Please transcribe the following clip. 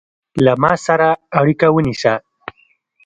له ما سره اړیکه ونیسه